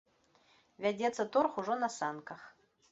Вядзецца торг ужо на санках.